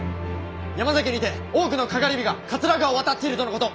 山崎にて多くの篝火が桂川を渡っているとのこと。